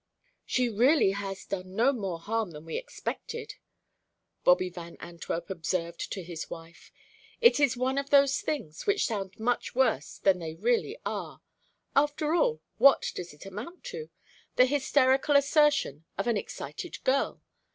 "She really has done no more harm than we expected," Bobby Van Antwerp observed to his wife. "It is one of those things which sound much worse than they really are. After all, what does it amount to? The hysterical assertion of an excited girl!